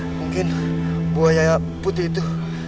mungkin buaya putih itu